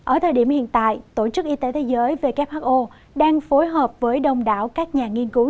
ở thời điểm hiện tại tổ chức y tế thế giới who đang phối hợp với đông đảo các nhà nghiên cứu